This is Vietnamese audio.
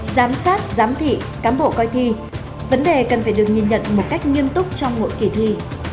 giám sát giám thị cán bộ coi thi vấn đề cần phải được nhìn nhận một cách nghiêm túc trong mỗi kỳ thi